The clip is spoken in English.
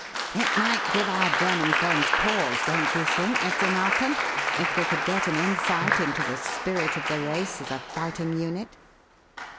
"It might give our German friends pause, don't you think, Mr. Narkom, if they could get an insight into the spirit of the race as a fighting unit?"